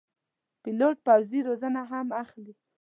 پیلوټ پوځي روزنه هم اخلي.